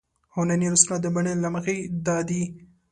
هنري نثرونه د بڼې له مخې دادي.